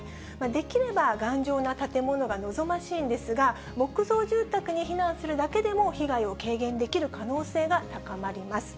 できれば頑丈な建物が望ましいんですが、木造住宅に避難するだけでも被害を軽減できる可能性が高まります。